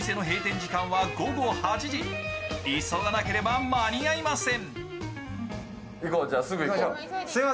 急がなければ間に合いません。